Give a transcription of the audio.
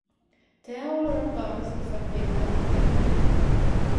Tä olaryň gana suwsap gelmändiklerine